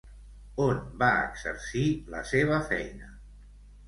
On va exercir la seva feina?